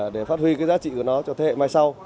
để phát huy cái giá trị của nó cho thế hệ mai sau